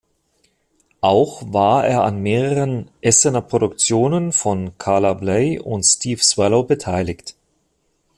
Auch war er an mehreren Essener Produktionen von Carla Bley und Steve Swallow beteiligt.